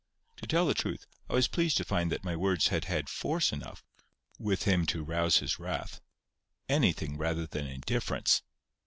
To tell the truth, I was pleased to find that my words had had force enough with him to rouse his wrath. Anything rather than indifference!